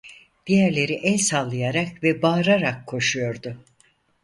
Diğerleri "el sallayarak ve bağırarak" koşuyordu.